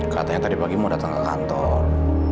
katanya tadi pagi mau datang ke kantor